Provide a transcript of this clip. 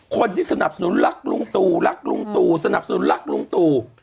คนที่สนับสนุนรักลุงตู่รักลุงตู่สนับสนุนรักลุงตู่